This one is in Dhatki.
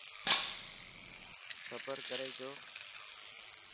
صبر ڪري جو.